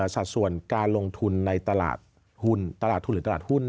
สัดส่วนการลงทุนในตลาดหุ้นตลาดทุนหรือตลาดหุ้น